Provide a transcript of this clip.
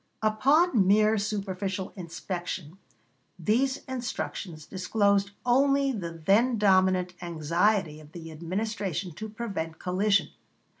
Upon mere superficial inspection these instructions disclosed only the then dominant anxiety of the Administration to prevent collision.